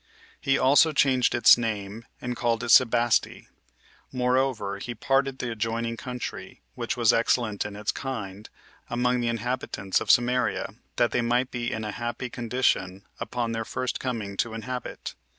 He also changed its name, and called it Sebaste. Moreover, he parted the adjoining country, which was excellent in its kind, among the inhabitants of Samaria, that they might be in a happy condition, upon their first coming to inhabit.